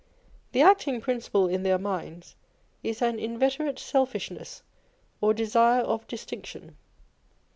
The acting principle in their minds is an inveterate selfishness or desire of distinction.